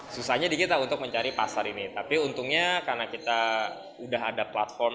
susahnya di kita untuk mencari pasar ini tapi untungnya karena kita udah ada platform